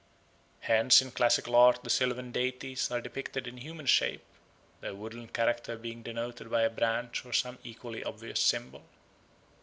Hence in classical art the sylvan deities are depicted in human shape, their woodland character being denoted by a branch or some equally obvious symbol.